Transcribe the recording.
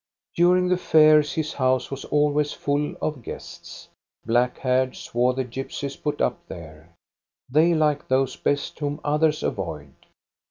During the fairs his house was al ways full of guests. Black haired, swarthy gypsies put up there. They like those best whom others avoid.